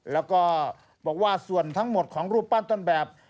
แล้วก็บอกว่าส่วนทั้งหมดของรูปปั้นต้นแบบ